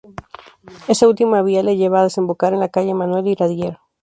Esta última vía le lleva a desembocar en la Calle Manuel Iradier.